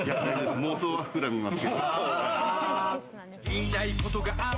妄想は膨らみます。